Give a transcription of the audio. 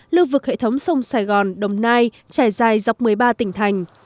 lưu vực hệ thống sông sài gòn đồng nai trải dài dọc một mươi ba tỉnh thành